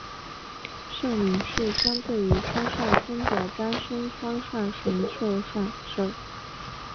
社名是相对于川上村的丹生川上神社上社。